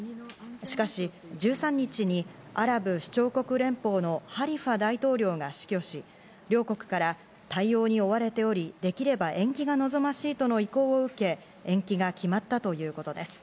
しかし１３日にアラブ首長国連邦のハリファ大統領が死去し、両国から対応に追われており、できれば延期が望ましいとの意向を受け、延期が決まったということです。